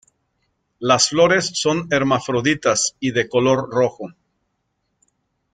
Las flores son hermafroditas y de color rojo.